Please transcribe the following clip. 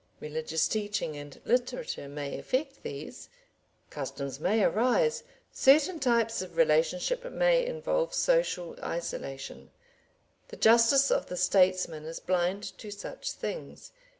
Religious teaching and literature may affect these; customs may arise; certain types of relationship may involve social isolation; the justice of the statesman is blind to such things.